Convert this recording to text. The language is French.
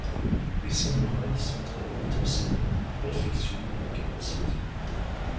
Les samouraï s'entraînent intensément pour perfectionner leurs capacités.